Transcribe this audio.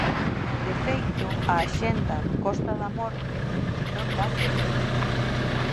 De feito, a axenda Costa da Morte non dá feito.